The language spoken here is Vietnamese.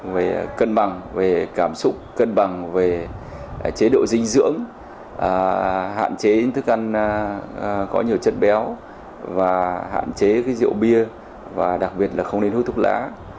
và cân bằng về cảm xúc cân bằng về chế độ dinh dưỡng hạn chế thức ăn có nhiều chất béo hạn chế rượu bia đặc biệt không nên hút thuốc lá